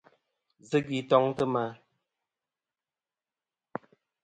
Zɨ gvi toŋtɨ ma.